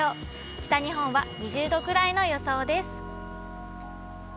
北日本は２０度くらいの予想です。